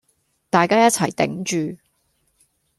大家一齊頂住